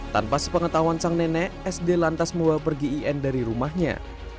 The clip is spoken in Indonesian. tanpa sepengetahuan sang nenek sd lantas membawa pergi in dari rumahnya